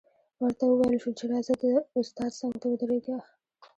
ورته وویل شول چې راځه د استاد څنګ ته ودرېږه